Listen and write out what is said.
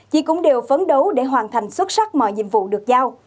chị cũng đều phấn đấu để hoàn thành xuất sắc mọi nhiệm vụ được giao